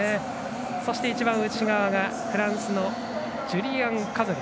そして一番内側がフランスのジュリアン・カゾリ。